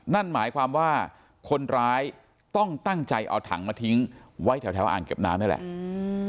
นั่นหมายความว่าคนร้ายต้องตั้งใจเอาถังมาทิ้งไว้แถวอ่างเก็บน้ำนี่แหละ